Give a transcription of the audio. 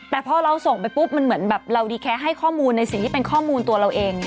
แต่พอเราส่งไปปุ๊บมันเหมือนแบบเราดีแค่ให้ข้อมูลในสิ่งที่เป็นข้อมูลตัวเราเอง